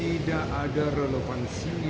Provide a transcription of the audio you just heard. tidak ada relevansinya